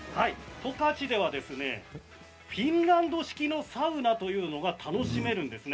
十勝ではフィンランド式のサウナというのが楽しめるんです。